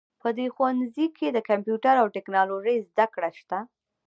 په دې ښوونځي کې د کمپیوټر او ټکنالوژۍ زده کړه شته